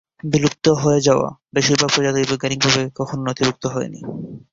বিলুপ্ত হয়ে যাওয়া বেশিরভাগ প্রজাতিই বৈজ্ঞানিকভাবে কখনই নথিভুক্ত হয়নি।